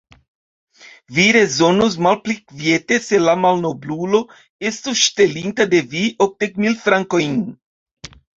Vi rezonus malpli kviete, se la malnoblulo estus ŝtelinta de vi okdek mil frankojn!